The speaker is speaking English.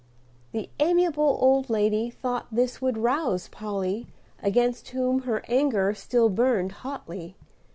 The amiable old lady thought this would rouse Polly, against whom her anger still burned hotly.